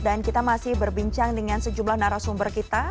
dan kita masih berbincang dengan sejumlah narasumber kita